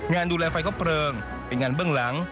งานดูแลไฟครบเพลิงเป็นงานเบื้องหลัง